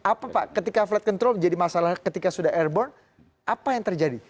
apa pak ketika flight control menjadi masalah ketika sudah airborne apa yang terjadi